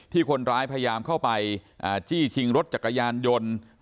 คนร้ายพยายามเข้าไปจี้ชิงรถจักรยานยนต์